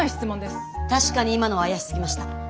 確かに今のは怪しすぎました。